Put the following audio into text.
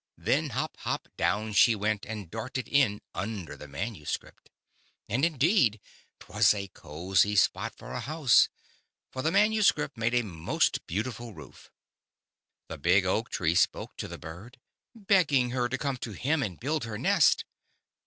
Then hop, hop, down she went and darted in under the manuscript. And indeed 't was a cozy spot for a house, for the manuscript made a most beautiful roof. The big Oak tree spoke to the Bird, begging her to come to him and build her nest.